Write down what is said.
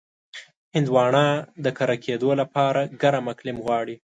هندوانه د کر کېدو لپاره ګرم اقلیم غواړي.